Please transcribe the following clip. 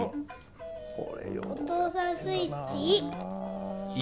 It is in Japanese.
おとうさんスイッチ「い」。